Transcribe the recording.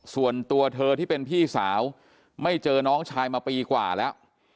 ส่วนตัวเธอที่เป็นพี่สาวไม่เจอน้องชายมาปีกว่าแล้ว